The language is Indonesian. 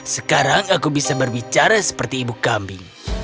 sekarang aku bisa berbicara seperti ibu kambing